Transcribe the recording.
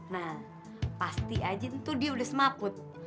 nah pasti aja itu dia udah semaput